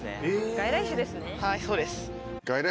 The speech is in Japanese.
「外来種ですね」。